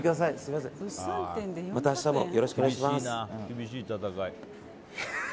また明日もよろしくお願いします。